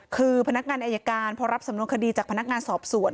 คือพนักงานอายการพอรับสำนวนคดีจากพนักงานสอบสวน